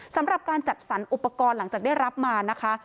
สำหรับการจัดสรรอุปกรณ์หลังจากได้รับมานะคะ